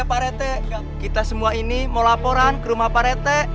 pak rete kita semua ini mau laporan ke rumah pak rete